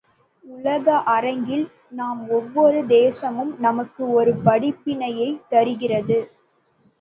உலக அரங்கில் நாம் ஒவ்வொரு தேசமும் நமக்கு ஒரு படிப்பினையைத் தருகிறது.